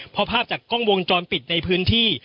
พอภาพจากกล้องวงจรปิดในพื้นที่